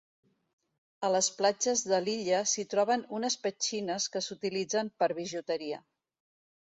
A les platges de l'illa s'hi troben unes petxines que s'utilitzen per bijuteria.